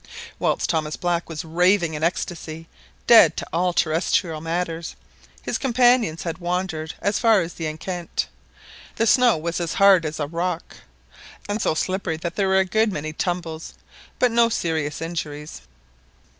Whilst Thomas Black was raving in ecstasy, dead to all terrestrial matters, his companions had wandered as far as the enceinte. The snow was as hard as a rock, And so slippery that there were a good many tumbles, but no serious injuries.